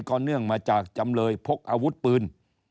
เนื่องมาจากจำเลยพกอาวุธปืน